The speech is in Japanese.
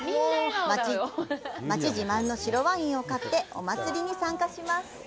街自慢の白ワインを買ってお祭りに参加します。